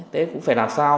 thế cũng phải làm sao